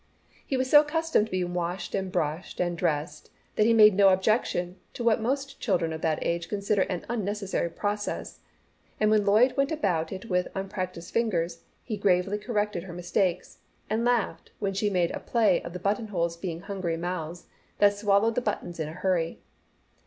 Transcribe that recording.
He was so accustomed to being washed and brushed and dressed that he made no objection to what most children of that age consider an unnecessary process, and when Lloyd went about it with unpractised fingers, he gravely corrected her mistakes, and laughed when she made a play of the buttonholes being hungry mouths, that swallowed the buttons in a hurry.